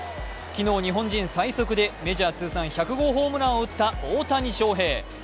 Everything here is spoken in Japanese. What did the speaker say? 昨日、日本人最速でメジャー通算１００号ホームランを打った大谷翔平。